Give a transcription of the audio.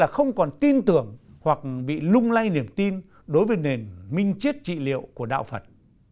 không còn tin tưởng hoặc bị lung lay niềm tin đối với nền minh chiết trị liệu của đạo phật